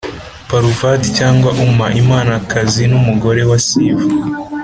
paruvati cyangwa uma: imanakazi n’umugore wa siva.